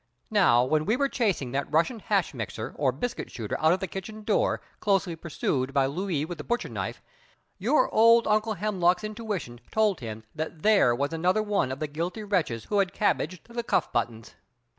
Now when we were chasing that Russian hash mixer or biscuit shooter out of the kitchen door closely pursued by Louis with the butcher knife, your old Uncle Hemlock's intuition told him that there was another one of the guilty wretches who had cabbaged the cuff buttons!